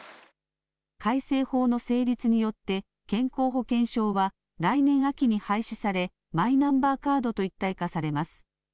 改正法の成立によって健康保険証は来年秋に廃止されマイナンバーカードと一体化されます。